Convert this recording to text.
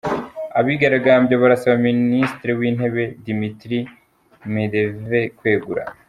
Abigaragambya barasaba ministri w'intebe Dmitry Medvedev kwegura.